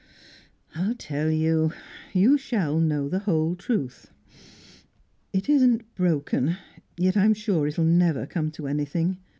"I'll tell you; you shall know the whole truth. It isn't broken; yet I'm sure it'll never come to anything.